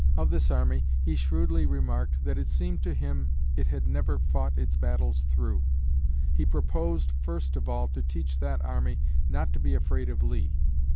Of this army he shrewdly remarked that it seemed to him it "had never fought its battles through." He proposed, first of all, to teach that army "not to be afraid of Lee."